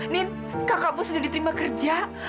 nin kakak bu sudah diterima kerja